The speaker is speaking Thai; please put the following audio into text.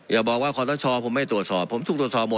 อย่าบอกว่าคอสชผมไม่ตรวจสอบผมถูกตรวจสอบหมด